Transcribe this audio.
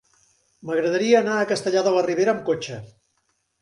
M'agradaria anar a Castellar de la Ribera amb cotxe.